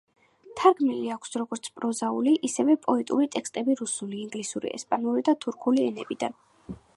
თარგმნილი აქვს როგორც პროზაული, ასევე პოეტური ტექსტები რუსული, ინგლისური, ესპანური და თურქული ენებიდან.